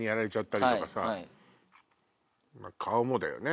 顔もだよね。